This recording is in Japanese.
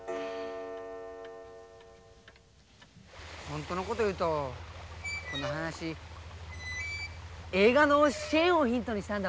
本当のこと言うとこの話映画の「シェーン」をヒントにしたんだわ。